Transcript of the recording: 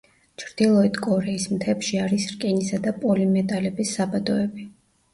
ჩრდილოეთ კორეის მთებში არის რკინისა და პოლიმეტალების საბადოები.